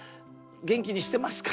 元気にしてますか。